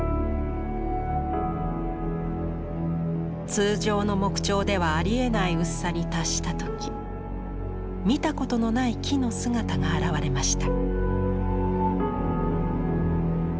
通常の木彫ではありえない薄さに達した時見たことのない木の姿があらわれました。